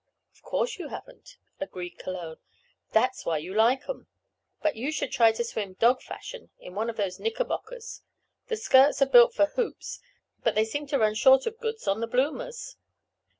"Of course you haven't," agreed Cologne. "That's why you like 'em, but you should try to swim dog fashion in one of those knickerbockers. The skirts are built for hoops, but they seemed to run short of goods on the bloomers."